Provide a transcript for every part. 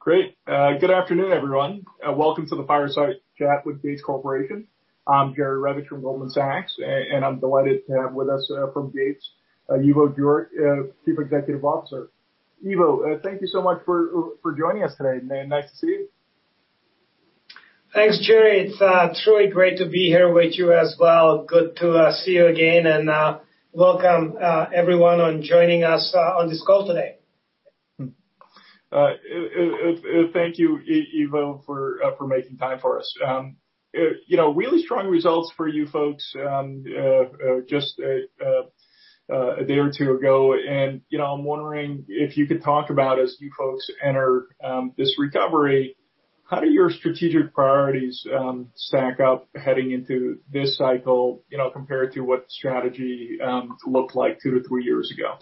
Great. Good afternoon, everyone. Welcome to the Fireside Chat with Gates Corporation. I'm Jerry Revich from Goldman Sachs, and I'm delighted to have with us from Gates Ivo Jurek, Chief Executive Officer. Ivo, thank you so much for joining us today. Nice to see you. Thanks, Jerry. It's truly great to be here with you as well. Good to see you again, and welcome everyone on joining us on this call today. Thank you, Ivo, for making time for us. Really strong results for you folks just a day or two ago. I am wondering if you could talk about, as you folks enter this recovery, how do your strategic priorities stack up heading into this cycle compared to what strategy looked like two to three years ago?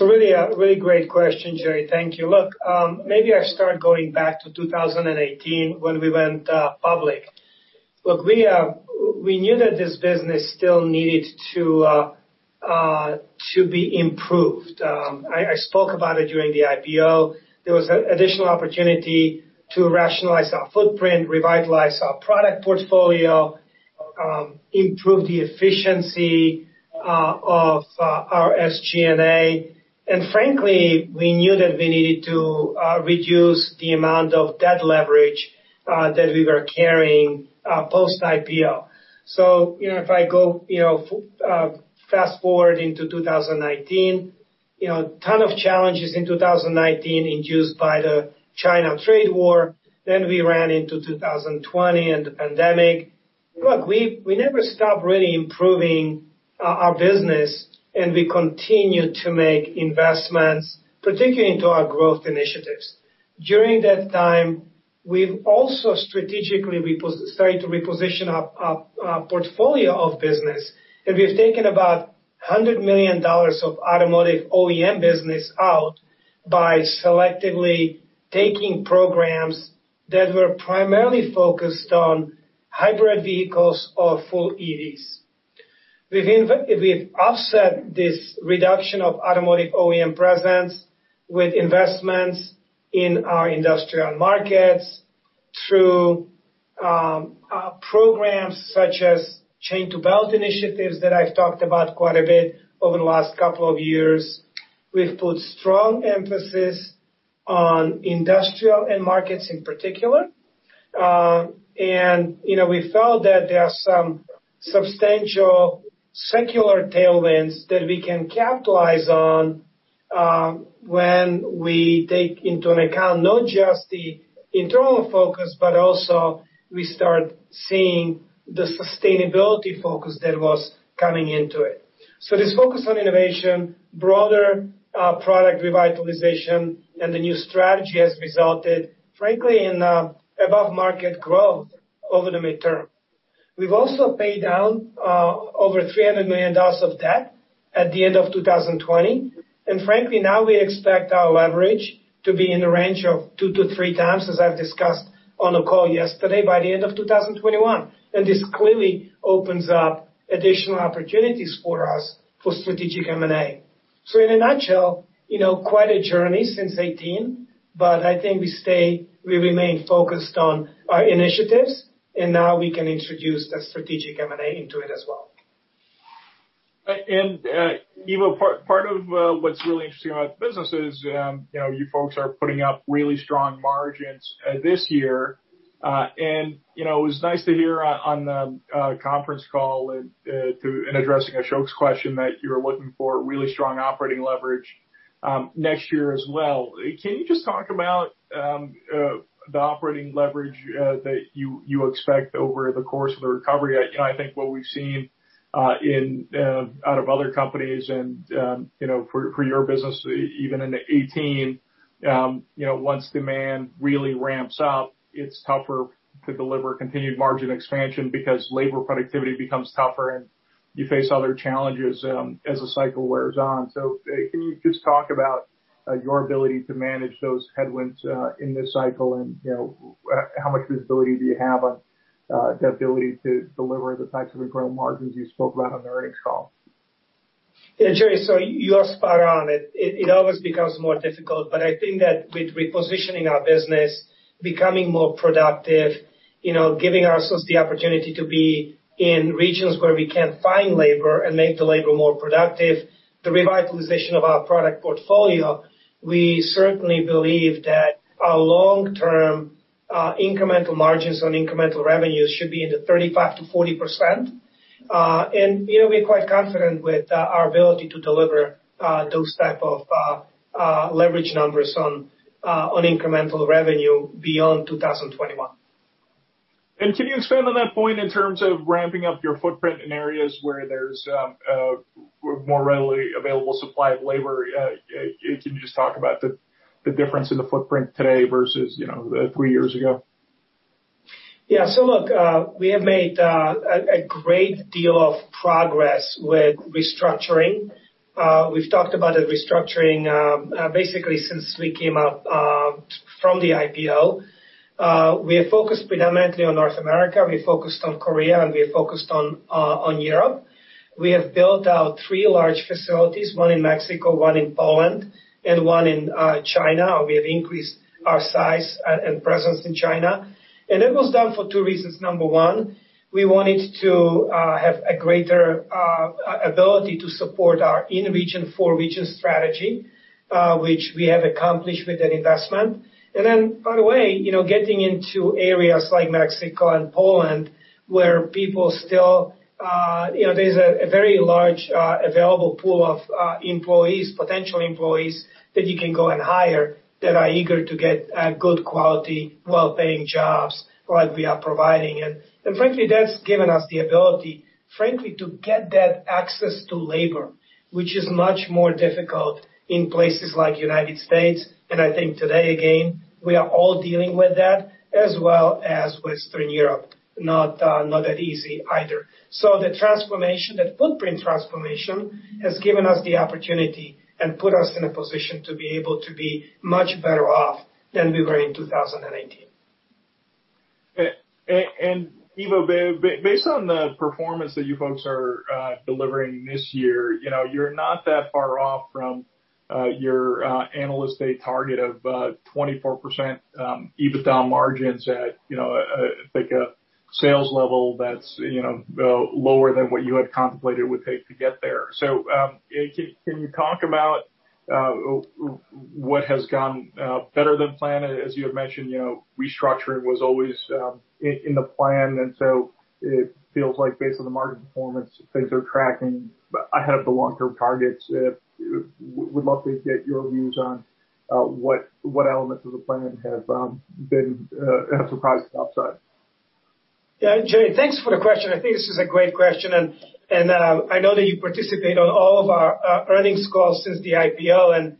Really great question, Jerry. Thank you. Look, maybe I start going back to 2018 when we went public. Look, we knew that this business still needed to be improved. I spoke about it during the IPO. There was an additional opportunity to rationalize our footprint, revitalize our product portfolio, improve the efficiency of our SG&A. Frankly, we knew that we needed to reduce the amount of debt leverage that we were carrying post-IPO. If I go fast forward into 2019, a ton of challenges in 2019 induced by the China trade war. We ran into 2020 and the pandemic. Look, we never stopped really improving our business, and we continued to make investments, particularly into our growth initiatives. During that time, we have also strategically started to reposition our portfolio of business. We have taken about $100 million of automotive OEM business out by selectively taking programs that were primarily focused on hybrid vehicles or full EVs. We have offset this reduction of automotive OEM presence with investments in our industrial markets through programs such as chain-to-belt initiatives that I have talked about quite a bit over the last couple of years. We have put strong emphasis on industrial and markets in particular. We felt that there are some substantial secular tailwinds that we can capitalize on when we take into account not just the internal focus, but also we start seeing the sustainability focus that was coming into it. This focus on innovation, broader product revitalization, and the new strategy has resulted, frankly, in above-market growth over the midterm. We have also paid down over $300 million of debt at the end of 2020. Frankly, now we expect our leverage to be in the range of two to three times, as I discussed on the call yesterday, by the end of 2021. This clearly opens up additional opportunities for us for strategic M&A. In a nutshell, quite a journey since 2018, but I think we remain focused on our initiatives, and now we can introduce the strategic M&A into it as well. Ivo, part of what's really interesting about the business is you folks are putting up really strong margins this year. It was nice to hear on the conference call and addressing Ashok's question that you were looking for really strong operating leverage next year as well. Can you just talk about the operating leverage that you expect over the course of the recovery? I think what we've seen out of other companies and for your business, even in 2018, once demand really ramps up, it's tougher to deliver continued margin expansion because labor productivity becomes tougher, and you face other challenges as the cycle wears on. Can you just talk about your ability to manage those headwinds in this cycle and how much visibility do you have on the ability to deliver the types of incredible margins you spoke about on the earnings call? Yeah, Jerry, you are spot on. It always becomes more difficult, but I think that with repositioning our business, becoming more productive, giving ourselves the opportunity to be in regions where we can find labor and make the labor more productive, the revitalization of our product portfolio, we certainly believe that our long-term incremental margins on incremental revenues should be in the 35%-40%. We are quite confident with our ability to deliver those types of leverage numbers on incremental revenue beyond 2021. Can you expand on that point in terms of ramping up your footprint in areas where there is more readily available supply of labor? Can you just talk about the difference in the footprint today versus three years ago? Yeah. Look, we have made a great deal of progress with restructuring. We've talked about restructuring basically since we came up from the IPO. We have focused predominantly on North America. We've focused on Korea, and we've focused on Europe. We have built out three large facilities, one in Mexico, one in Poland, and one in China. We have increased our size and presence in China. It was done for two reasons. Number one, we wanted to have a greater ability to support our in-region, four-region strategy, which we have accomplished with that investment. By the way, getting into areas like Mexico and Poland where people still, there's a very large available pool of employees, potential employees that you can go and hire that are eager to get good quality, well-paying jobs like we are providing. Frankly, that's given us the ability, frankly, to get that access to labor, which is much more difficult in places like the United States. I think today, again, we are all dealing with that as well as Western Europe. Not that easy either. The transformation, that footprint transformation, has given us the opportunity and put us in a position to be able to be much better off than we were in 2018. Ivo, based on the performance that you folks are delivering this year, you're not that far off from your analysts' day target of 24% EBITDA margins at a sales level that's lower than what you had contemplated it would take to get there. Can you talk about what has gone better than planned? As you had mentioned, restructuring was always in the plan. It feels like based on the margin performance, things are tracking ahead of the long-term targets. We'd love to get your views on what elements of the plan have been surprising upside. Yeah. Jerry, thanks for the question. I think this is a great question. I know that you participate on all of our earnings calls since the IPO.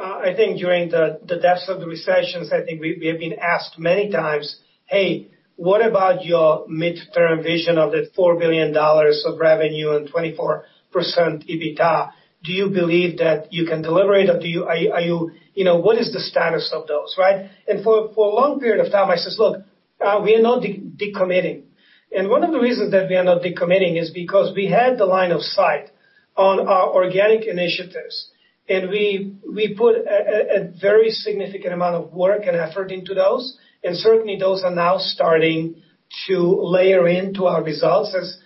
I think during the depths of the recessions, we have been asked many times, "Hey, what about your midterm vision of that $4 billion of revenue and 24% EBITDA? Do you believe that you can deliver it? Or what is the status of those?" Right? For a long period of time, I says, "Look, we are not decommitting." One of the reasons that we are not decommitting is because we had the line of sight on our organic initiatives, and we put a very significant amount of work and effort into those. Certainly, those are now starting to layer into our results, as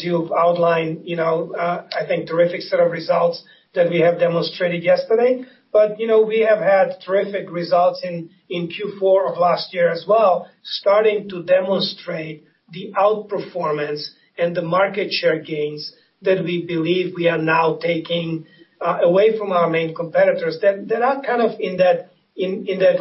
you've outlined, I think, a terrific set of results that we have demonstrated yesterday. We have had terrific results in Q4 of last year as well, starting to demonstrate the outperformance and the market share gains that we believe we are now taking away from our main competitors that are kind of in that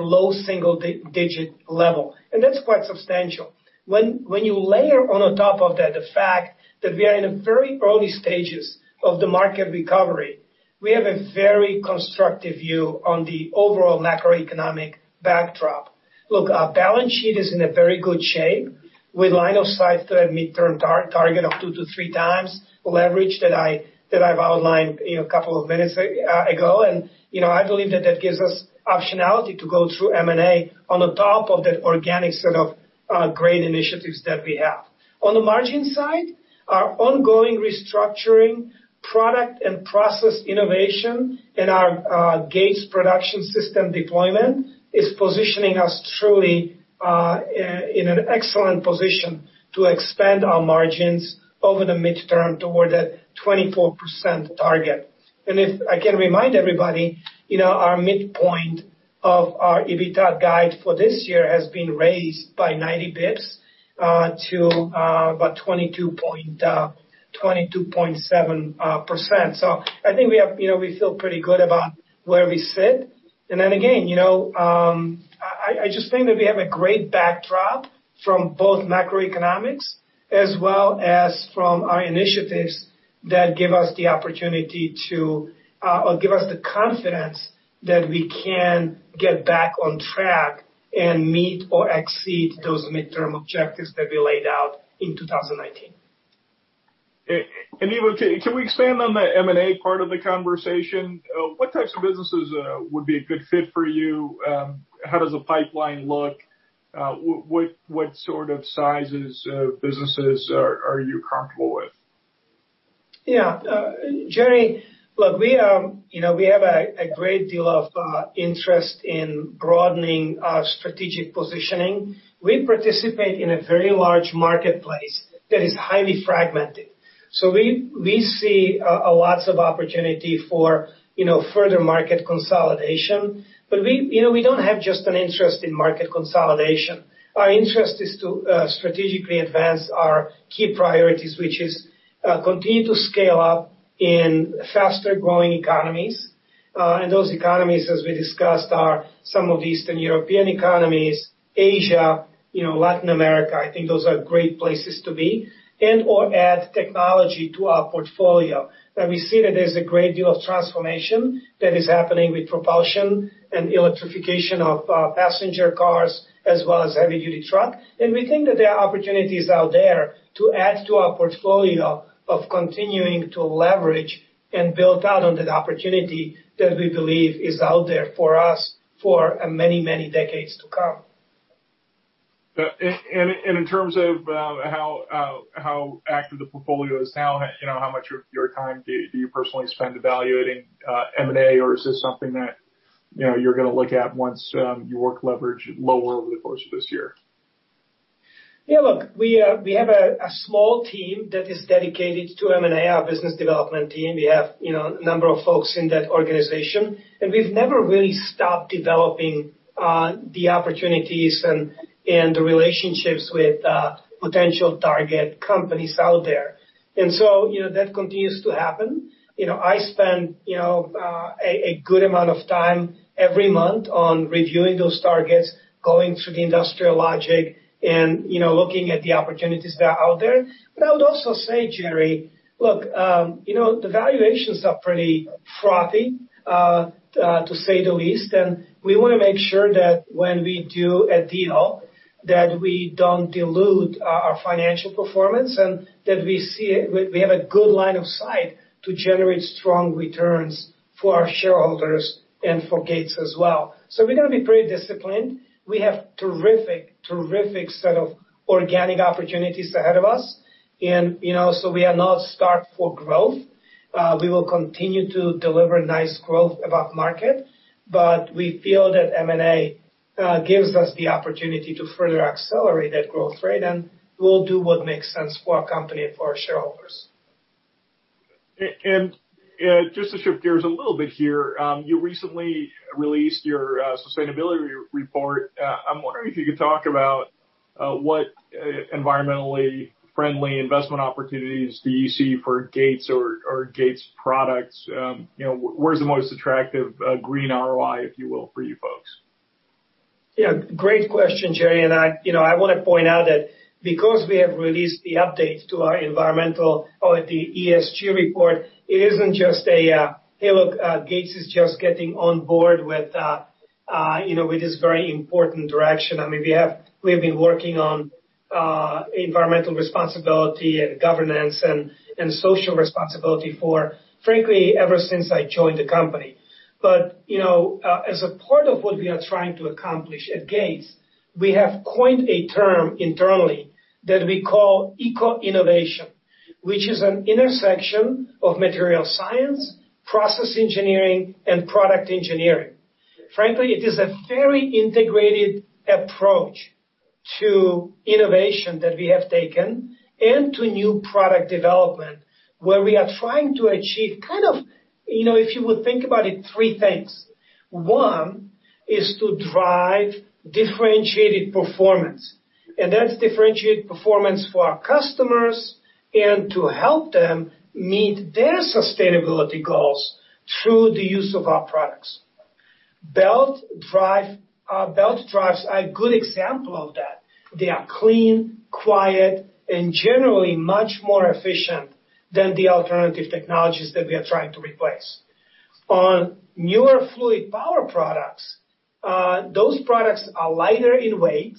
low single-digit level. That is quite substantial. When you layer on top of that the fact that we are in the very early stages of the market recovery, we have a very constructive view on the overall macroeconomic backdrop. Look, our balance sheet is in very good shape. We line of sight to that midterm target of two to three times leverage that I've outlined a couple of minutes ago. I believe that that gives us optionality to go through M&A on the top of that organic set of great initiatives that we have. On the margin side, our ongoing restructuring, product and process innovation, and our Gates production system deployment is positioning us truly in an excellent position to expand our margins over the midterm toward that 24% target. If I can remind everybody, our midpoint of our EBITDA guide for this year has been raised by 90 basis points to about 22.7%. I think we feel pretty good about where we sit. I just think that we have a great backdrop from both macroeconomics as well as from our initiatives that give us the opportunity to or give us the confidence that we can get back on track and meet or exceed those midterm objectives that we laid out in 2019. Ivo, can we expand on the M&A part of the conversation? What types of businesses would be a good fit for you? How does the pipeline look? What sort of sizes of businesses are you comfortable with? Yeah. Jerry, look, we have a great deal of interest in broadening our strategic positioning. We participate in a very large marketplace that is highly fragmented. We see lots of opportunity for further market consolidation. We do not have just an interest in market consolidation. Our interest is to strategically advance our key priorities, which is continue to scale up in faster-growing economies. Those economies, as we discussed, are some of the Eastern European economies, Asia, Latin America. I think those are great places to be and/or add technology to our portfolio. We see that there is a great deal of transformation that is happening with propulsion and electrification of passenger cars as well as heavy-duty truck. We think that there are opportunities out there to add to our portfolio of continuing to leverage and build out on that opportunity that we believe is out there for us for many, many decades to come. In terms of how active the portfolio is now, how much of your time do you personally spend evaluating M&A? Or is this something that you're going to look at once you work leverage lower over the course of this year? Yeah. Look, we have a small team that is dedicated to M&A, our business development team. We have a number of folks in that organization. We have never really stopped developing the opportunities and the relationships with potential target companies out there. That continues to happen. I spend a good amount of time every month on reviewing those targets, going through the industrial logic, and looking at the opportunities that are out there. I would also say, Jerry, look, the valuations are pretty frothy, to say the least. We want to make sure that when we do a deal, we do not dilute our financial performance and that we have a good line of sight to generate strong returns for our shareholders and for Gates as well. We are going to be pretty disciplined. We have a terrific, terrific set of organic opportunities ahead of us. We are not stuck for growth. We will continue to deliver nice growth above market. We feel that M&A gives us the opportunity to further accelerate that growth rate, and we'll do what makes sense for our company and for our shareholders. Just to shift gears a little bit here, you recently released your sustainability report. I'm wondering if you could talk about what environmentally friendly investment opportunities do you see for Gates or Gates products? Where's the most attractive green ROI, if you will, for you folks? Yeah. Great question, Jerry. I want to point out that because we have released the update to our environmental or the ESG report, it is not just a, "Hey, look, Gates is just getting on board with this very important direction." I mean, we have been working on environmental responsibility and governance and social responsibility for, frankly, ever since I joined the company. As a part of what we are trying to accomplish at Gates, we have coined a term internally that we call eco-innovation, which is an intersection of material science, process engineering, and product engineering. Frankly, it is a very integrated approach to innovation that we have taken and to new product development where we are trying to achieve kind of, if you would think about it, three things. One is to drive differentiated performance. That is differentiated performance for our customers and to help them meet their sustainability goals through the use of our products. Belt drives are a good example of that. They are clean, quiet, and generally much more efficient than the alternative technologies that we are trying to replace. On newer fluid power products, those products are lighter in weight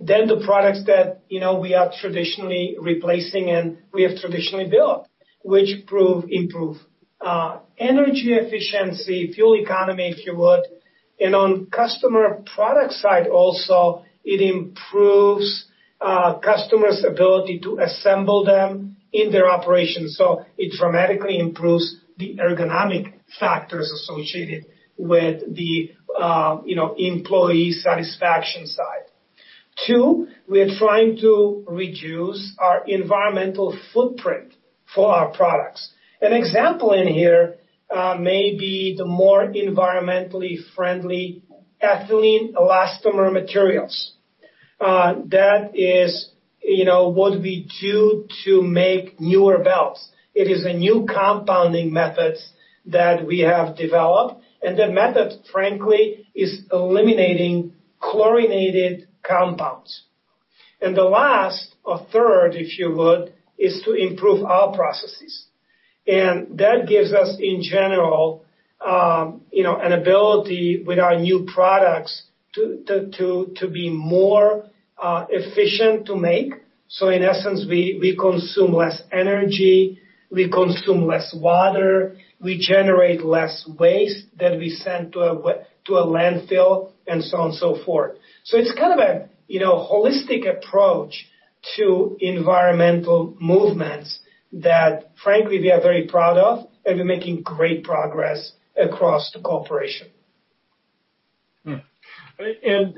than the products that we are traditionally replacing and we have traditionally built, which improve energy efficiency, fuel economy, if you would. On customer product side also, it improves customers' ability to assemble them in their operations. It dramatically improves the ergonomic factors associated with the employee satisfaction side. Two, we are trying to reduce our environmental footprint for our products. An example in here may be the more environmentally friendly ethylene elastomer materials. That is what we do to make newer belts. It is a new compounding method that we have developed. That method, frankly, is eliminating chlorinated compounds. The last, or third, if you would, is to improve our processes. That gives us, in general, an ability with our new products to be more efficient to make. In essence, we consume less energy, we consume less water, we generate less waste that we send to a landfill, and so on and so forth. It is kind of a holistic approach to environmental movements that, frankly, we are very proud of, and we are making great progress across the corporation. One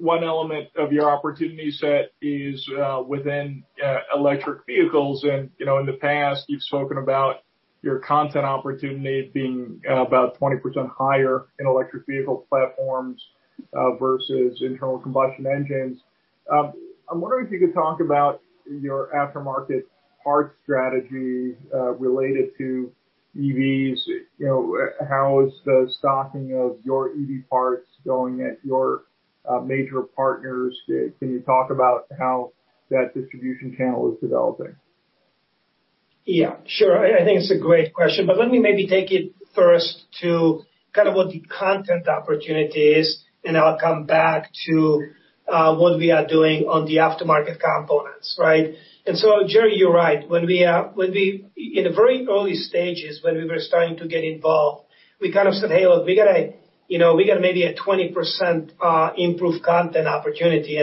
element of your opportunity set is within electric vehicles. In the past, you've spoken about your content opportunity being about 20% higher in electric vehicle platforms versus internal combustion engines. I'm wondering if you could talk about your aftermarket parts strategy related to EVs. How is the stocking of your EV parts going at your major partners? Can you talk about how that distribution channel is developing? Yeah. Sure. I think it's a great question. Let me maybe take it first to kind of what the content opportunity is, and I'll come back to what we are doing on the aftermarket components. Right? Jerry, you're right. In the very early stages, when we were starting to get involved, we kind of said, "Hey, look, we got maybe a 20% improved content opportunity."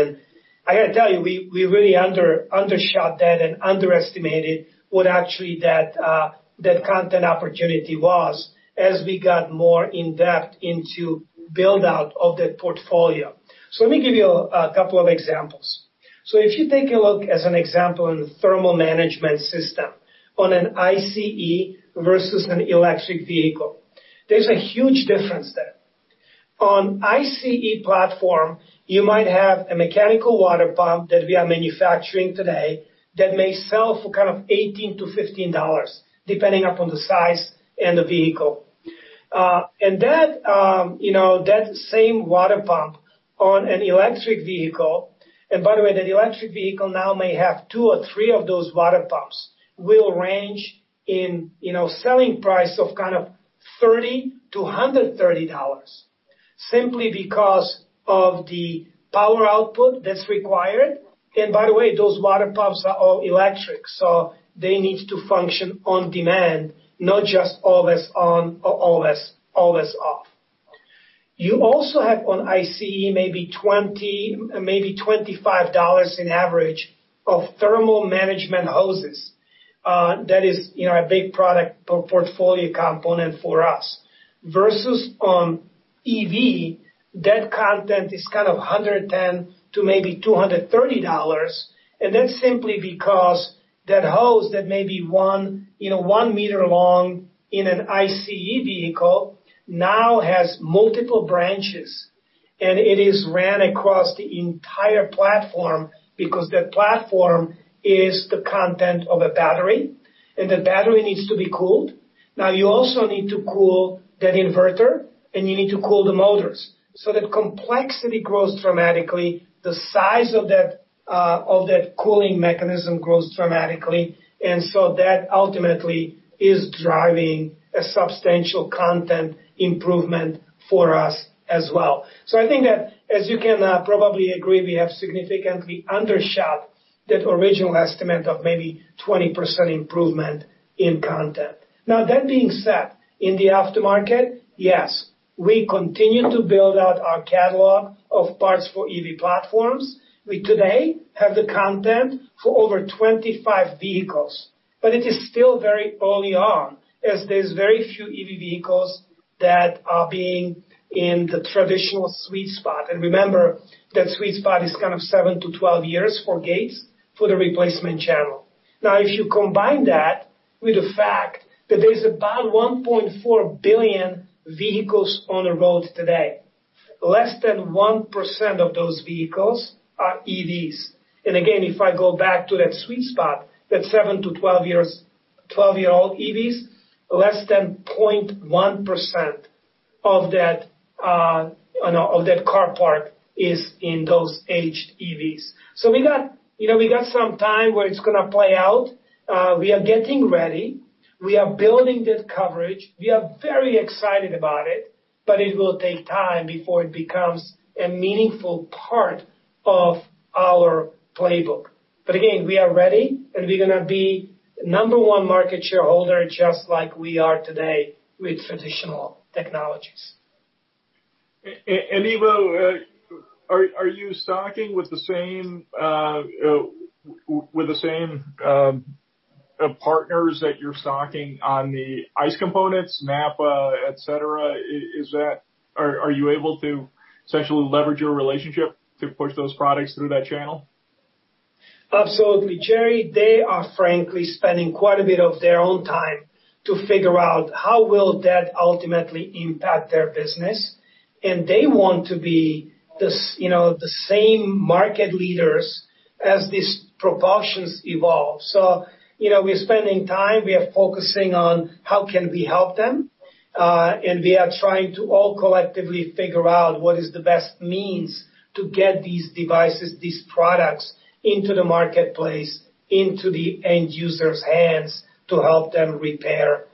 I got to tell you, we really undershot that and underestimated what actually that content opportunity was as we got more in-depth into build-out of that portfolio. Let me give you a couple of examples. If you take a look, as an example, in the thermal management system on an ICE versus an electric vehicle, there's a huge difference there. On ICE platform, you might have a mechanical water pump that we are manufacturing today that may sell for kind of $18-$15, depending upon the size and the vehicle. That same water pump on an electric vehicle—by the way, that electric vehicle now may have two or three of those water pumps—will range in selling price of kind of $30-$130 simply because of the power output that's required. By the way, those water pumps are all electric, so they need to function on demand, not just always on or always off. You also have on ICE maybe $20, maybe $25 in average of thermal management hoses. That is a big product portfolio component for us. Versus on EV, that content is kind of $110 to maybe $230. That is simply because that hose that may be 1 meter long in an ICE vehicle now has multiple branches. It is ran across the entire platform because that platform is the content of a battery, and that battery needs to be cooled. You also need to cool that inverter, and you need to cool the motors. That complexity grows dramatically. The size of that cooling mechanism grows dramatically. That ultimately is driving a substantial content improvement for us as well. I think that, as you can probably agree, we have significantly undershot that original estimate of maybe 20% improvement in content. That being said, in the aftermarket, yes, we continue to build out our catalog of parts for EV platforms. We today have the content for over 25 vehicles. It is still very early on, as there's very few EV vehicles that are being in the traditional sweet spot. Remember, that sweet spot is kind of 7-12 years for Gates for the replacement channel. Now, if you combine that with the fact that there's about 1.4 billion vehicles on the road today, less than 1% of those vehicles are EVs. Again, if I go back to that sweet spot, that 7-12-year-old EVs, less than 0.1% of that car part is in those aged EVs. We got some time where it's going to play out. We are getting ready. We are building that coverage. We are very excited about it. It will take time before it becomes a meaningful part of our playbook. Again, we are ready, and we're going to be number one market shareholder just like we are today with traditional technologies. Evo, are you stocking with the same partners that you're stocking on the ICE components, NAPA, etc.? Are you able to essentially leverage your relationship to push those products through that channel? Absolutely. Jerry, they are frankly spending quite a bit of their own time to figure out how will that ultimately impact their business. They want to be the same market leaders as these propulsions evolve. We are spending time. We are focusing on how can we help them. We are trying to all collectively figure out what is the best means to get these devices, these products into the marketplace, into the end user's hands to help them repair.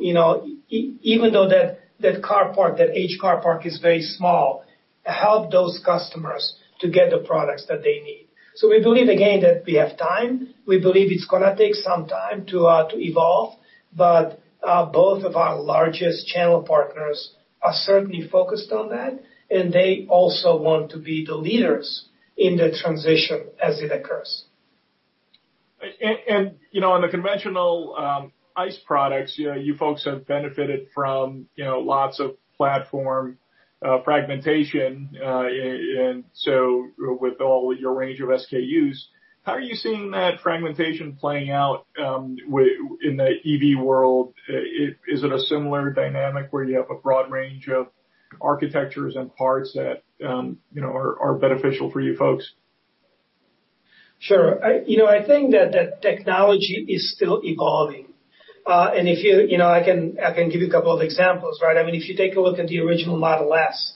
Even though that H car park is very small, help those customers to get the products that they need. We believe, again, that we have time. We believe it is going to take some time to evolve. Both of our largest channel partners are certainly focused on that. They also want to be the leaders in the transition as it occurs. On the conventional ICE products, you folks have benefited from lots of platform fragmentation. With all your range of SKUs, how are you seeing that fragmentation playing out in the EV world? Is it a similar dynamic where you have a broad range of architectures and parts that are beneficial for you folks? Sure. I think that technology is still evolving. I can give you a couple of examples. Right? I mean, if you take a look at the original Model S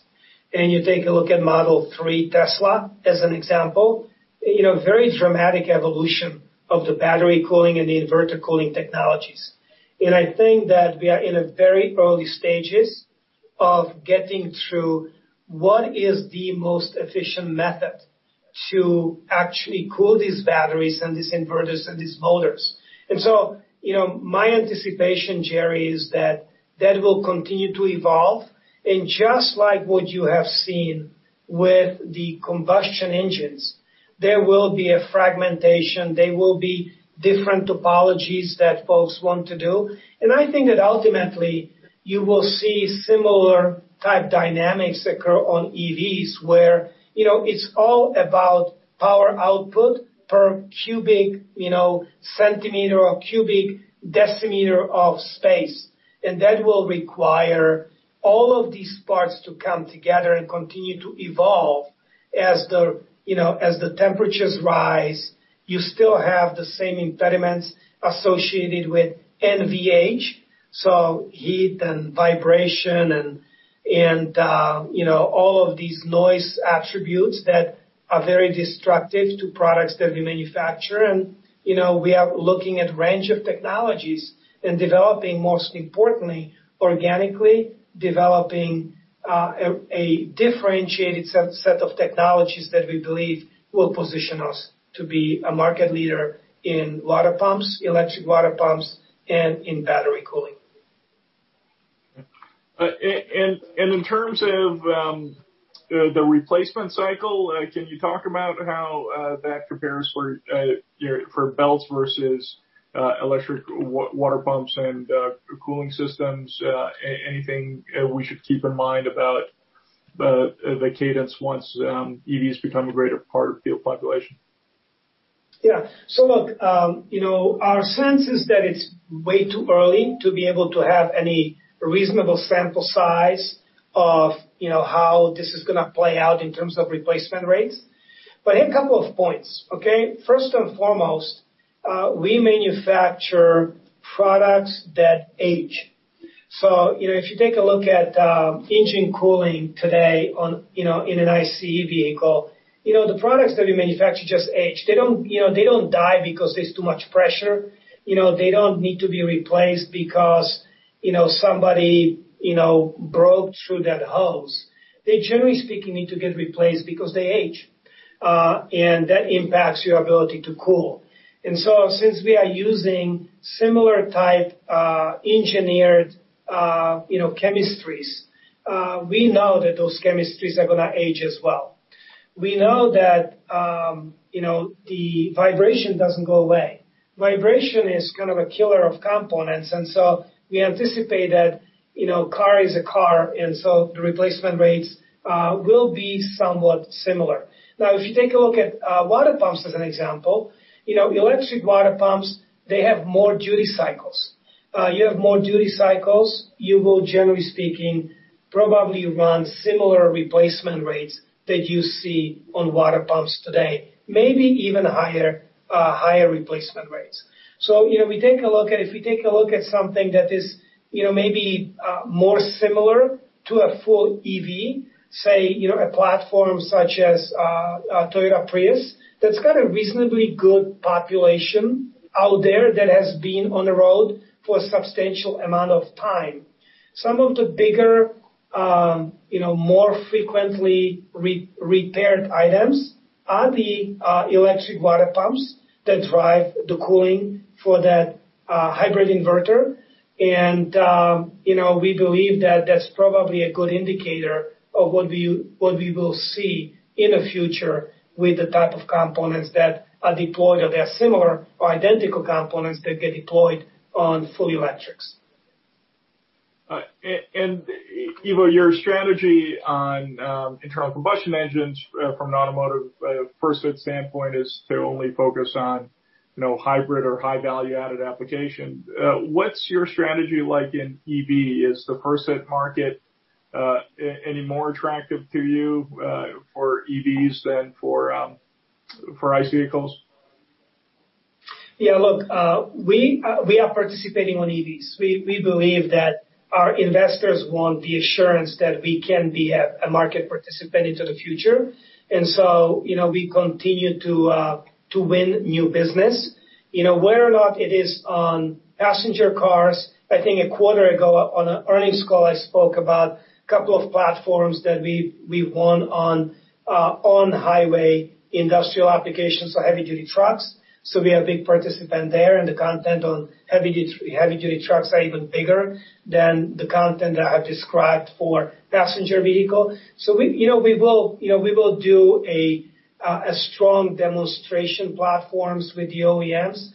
and you take a look at Model 3 Tesla as an example, very dramatic evolution of the battery cooling and the inverter cooling technologies. I think that we are in the very early stages of getting through what is the most efficient method to actually cool these batteries and these inverters and these motors. My anticipation, Jerry, is that that will continue to evolve. Just like what you have seen with the combustion engines, there will be a fragmentation. There will be different topologies that folks want to do. I think that ultimately you will see similar type dynamics occur on EVs where it's all about power output per cubic centimeter or cubic decimeter of space. That will require all of these parts to come together and continue to evolve as the temperatures rise. You still have the same impediments associated with NVH, so heat and vibration and all of these noise attributes that are very destructive to products that we manufacture. We are looking at a range of technologies and developing, most importantly, organically developing a differentiated set of technologies that we believe will position us to be a market leader in water pumps, electric water pumps, and in battery cooling. In terms of the replacement cycle, can you talk about how that compares for belts versus electric water pumps and cooling systems? Anything we should keep in mind about the cadence once EVs become a greater part of the field population? Yeah. Look, our sense is that it's way too early to be able to have any reasonable sample size of how this is going to play out in terms of replacement rates. I have a couple of points. Okay? First and foremost, we manufacture products that age. If you take a look at engine cooling today in an ICE vehicle, the products that we manufacture just age. They do not die because there is too much pressure. They do not need to be replaced because somebody broke through that hose. They, generally speaking, need to get replaced because they age. That impacts your ability to cool. Since we are using similar type engineered chemistries, we know that those chemistries are going to age as well. We know that the vibration does not go away. Vibration is kind of a killer of components. We anticipate that a car is a car. The replacement rates will be somewhat similar. Now, if you take a look at water pumps as an example, electric water pumps, they have more duty cycles. You have more duty cycles. You will, generally speaking, probably run similar replacement rates that you see on water pumps today, maybe even higher replacement rates. If we take a look at something that is maybe more similar to a full EV, say a platform such as Toyota Prius, that has a reasonably good population out there that has been on the road for a substantial amount of time. Some of the bigger, more frequently repaired items are the electric water pumps that drive the cooling for that hybrid inverter. We believe that that's probably a good indicator of what we will see in the future with the type of components that are deployed or they are similar or identical components that get deployed on full electrics. Ivo, your strategy on internal combustion engines from an automotive first standpoint is to only focus on hybrid or high-value-added application. What's your strategy like in EV? Is the first market any more attractive to you for EVs than for ICE vehicles? Yeah. Look, we are participating on EVs. We believe that our investors want the assurance that we can be a market participant into the future. We continue to win new business. Whether or not it is on passenger cars, I think a quarter ago on an earnings call, I spoke about a couple of platforms that we won on highway industrial applications, heavy-duty trucks. We have a big participant there. The content on heavy-duty trucks is even bigger than the content that I have described for passenger vehicle. We will do a strong demonstration platforms with the OEMs.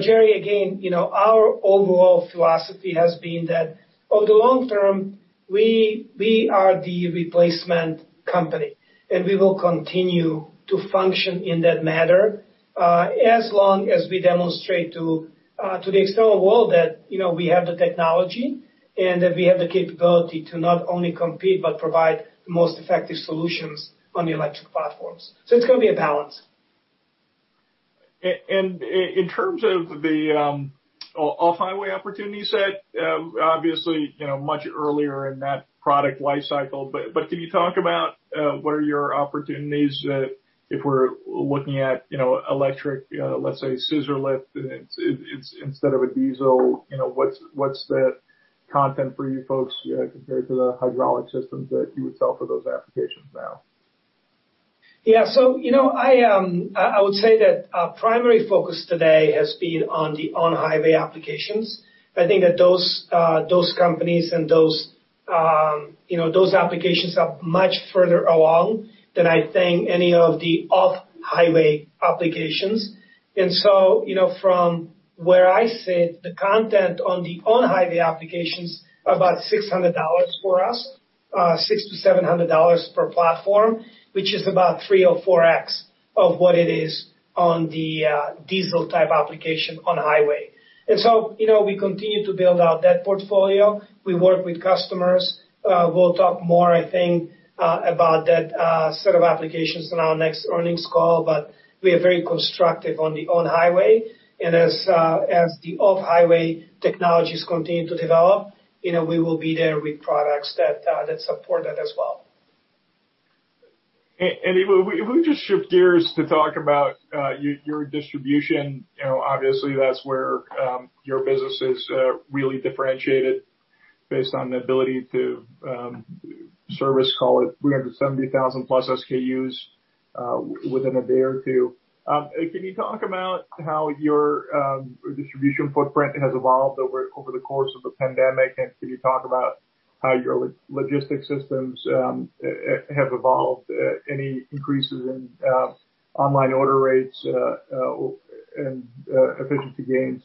Jerry, again, our overall philosophy has been that in the long term, we are the replacement company. We will continue to function in that manner as long as we demonstrate to the external world that we have the technology and that we have the capability to not only compete but provide the most effective solutions on the electric platforms. It is going to be a balance. In terms of the off-highway opportunities, obviously much earlier in that product life cycle. Can you talk about what are your opportunities if we are looking at electric, let's say, scissor lift instead of a diesel? What is the content for you folks compared to the hydraulic systems that you would sell for those applications now? Yeah. I would say that our primary focus today has been on the on-highway applications. I think that those companies and those applications are much further along than I think any of the off-highway applications. From where I sit, the content on the on-highway applications are about $600 for us, $600-$700 per platform, which is about 3 or 4x of what it is on the diesel type application on highway. We continue to build out that portfolio. We work with customers. We'll talk more, I think, about that set of applications in our next earnings call. We are very constructive on the on-highway. As the off-highway technologies continue to develop, we will be there with products that support that as well. Evo, if we just shift gears to talk about your distribution, obviously that's where your business is really differentiated based on the ability to service, call it 370,000 plus SKUs within a day or two. Can you talk about how your distribution footprint has evolved over the course of the pandemic? Can you talk about how your logistics systems have evolved? Any increases in online order rates and efficiency gains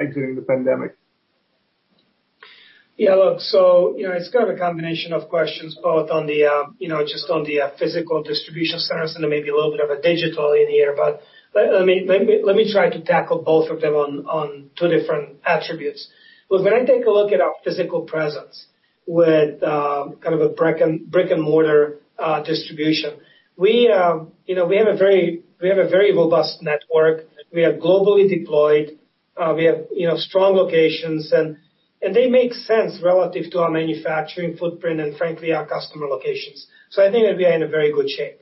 exiting the pandemic? Yeah. Look, so it's kind of a combination of questions, both just on the physical distribution centers and maybe a little bit of a digital in here. Let me try to tackle both of them on two different attributes. Look, when I take a look at our physical presence with kind of a brick-and-mortar distribution, we have a very robust network. We are globally deployed. We have strong locations. They make sense relative to our manufacturing footprint and, frankly, our customer locations. I think that we are in very good shape.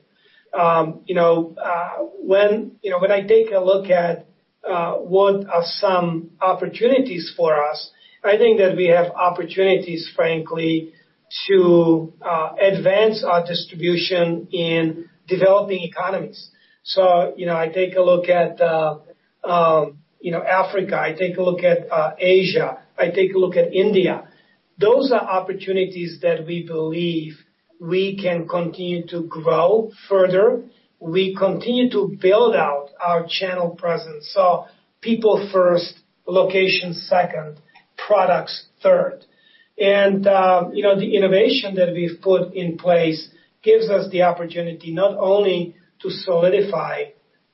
When I take a look at what are some opportunities for us, I think that we have opportunities, frankly, to advance our distribution in developing economies. I take a look at Africa. I take a look at Asia. I take a look at India. Those are opportunities that we believe we can continue to grow further. We continue to build out our channel presence. People first, locations second, products third. The innovation that we've put in place gives us the opportunity not only to solidify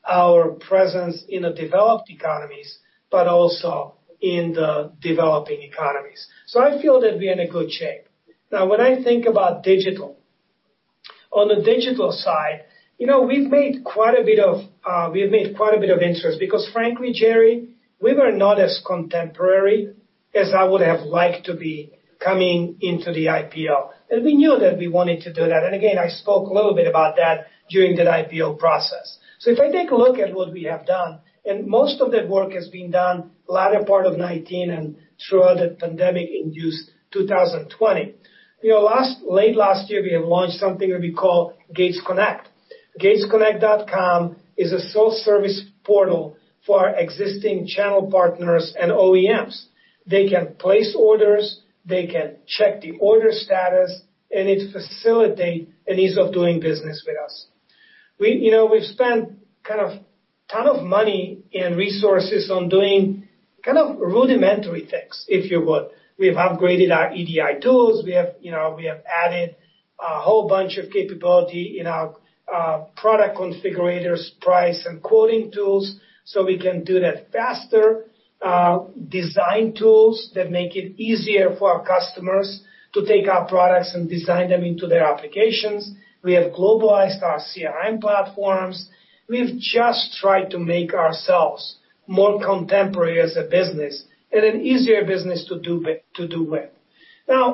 our presence in the developed economies but also in the developing economies. I feel that we are in good shape. Now, when I think about digital, on the digital side, we've made quite a bit of progress because, frankly, Jerry, we were not as contemporary as I would have liked to be coming into the IPO. We knew that we wanted to do that. I spoke a little bit about that during that IPO process. If I take a look at what we have done, and most of that work has been done latter part of 2019 and throughout the pandemic-induced 2020, late last year, we have launched something that we call Gates Connect. GatesConnect.com is a self-service portal for our existing channel partners and OEMs. They can place orders. They can check the order status. It facilitates an ease of doing business with us. We have spent kind of a ton of money and resources on doing kind of rudimentary things, if you would. We have upgraded our EDI tools. We have added a whole bunch of capability in our product configurators, price, and quoting tools so we can do that faster, design tools that make it easier for our customers to take our products and design them into their applications. We have globalized our CRM platforms. We've just tried to make ourselves more contemporary as a business and an easier business to do with. Now,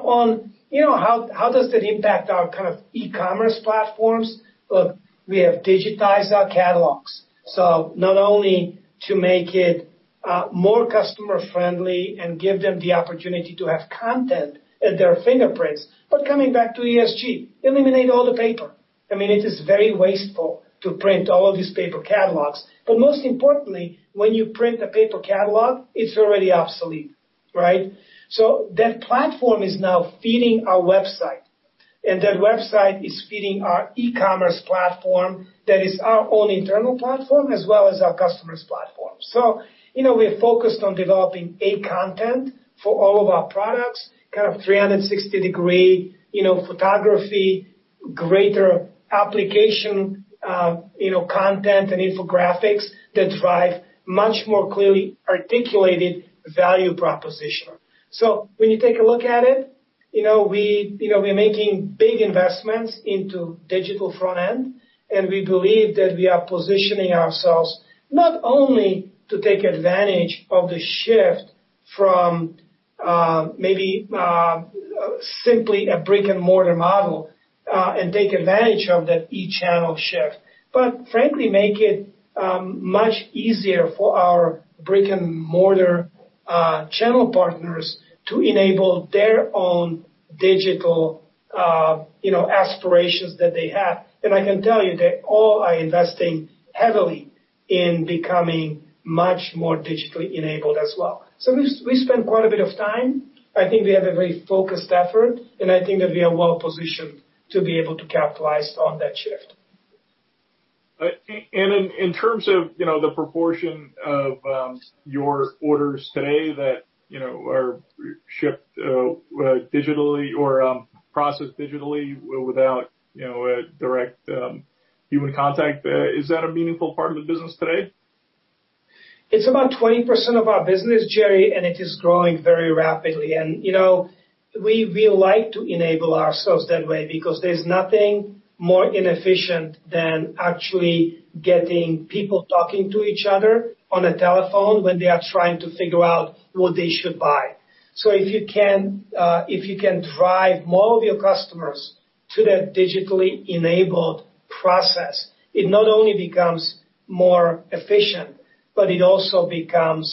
how does that impact our kind of e-commerce platforms? Look, we have digitized our catalogs. So not only to make it more customer-friendly and give them the opportunity to have content at their fingerprints, but coming back to ESG, eliminate all the paper. I mean, it is very wasteful to print all of these paper catalogs. Most importantly, when you print a paper catalog, it's already obsolete. Right? That platform is now feeding our website. That website is feeding our e-commerce platform that is our own internal platform as well as our customer's platform. We're focused on developing a content for all of our products, kind of 360-degree photography, greater application content, and infographics that drive much more clearly articulated value proposition. When you take a look at it, we are making big investments into digital front-end. We believe that we are positioning ourselves not only to take advantage of the shift from maybe simply a brick-and-mortar model and take advantage of that e-channel shift, but frankly, make it much easier for our brick-and-mortar channel partners to enable their own digital aspirations that they have. I can tell you that all are investing heavily in becoming much more digitally enabled as well. We spend quite a bit of time. I think we have a very focused effort. I think that we are well-positioned to be able to capitalize on that shift. In terms of the proportion of your orders today that are shipped digitally or processed digitally without direct human contact, is that a meaningful part of the business today? It's about 20% of our business, Jerry, and it is growing very rapidly. We like to enable ourselves that way because there's nothing more inefficient than actually getting people talking to each other on a telephone when they are trying to figure out what they should buy. If you can drive more of your customers to that digitally enabled process, it not only becomes more efficient, but it also becomes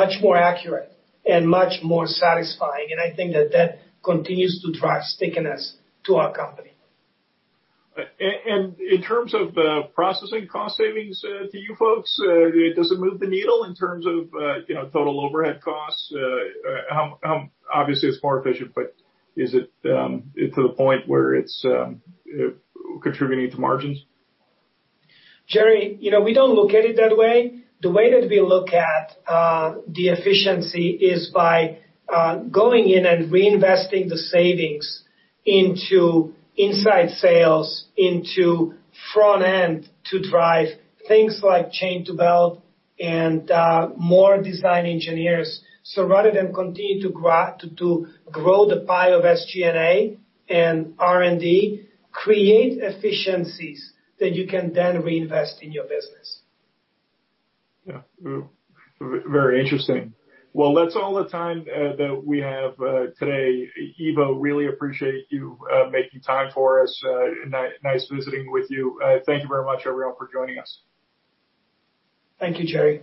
much more accurate and much more satisfying. I think that that continues to drive stickiness to our company. In terms of processing cost savings to you folks, does it move the needle in terms of total overhead costs? Obviously, it's more efficient, but is it to the point where it's contributing to margins? Jerry, we do not look at it that way. The way that we look at the efficiency is by going in and reinvesting the savings into inside sales, into front-end to drive things like chain-to-belt and more design engineers. Rather than continue to grow the pie of SG&A and R&D, create efficiencies that you can then reinvest in your business. Yeah. Very interesting. That is all the time that we have today. Ivo, really appreciate you making time for us. Nice visiting with you. Thank you very much, everyone, for joining us. Thank you, Jerry.